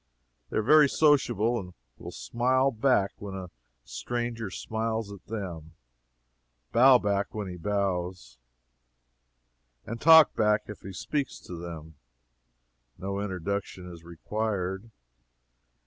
They are very sociable, and will smile back when a stranger smiles at them, bow back when he bows, and talk back if he speaks to them. No introduction is required.